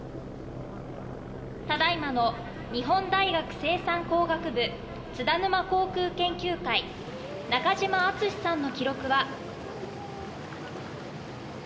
ただ今の日本大学生産工学部津田沼航空研究会中島敦之さんの記録は。